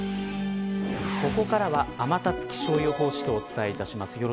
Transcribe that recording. ここからは、天達気象予報士とお伝えします。